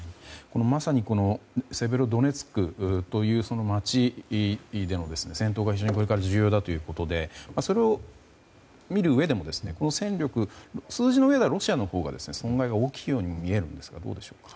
まさにセベロドネツクという街での戦闘が非常にこれから重要だということでそれを見るうえでも、戦力は数字の上では、ロシアのほうが損害が大きいように見えるんですがどうでしょうか。